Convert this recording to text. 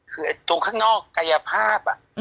คือตรงข้างนอกกายภาพ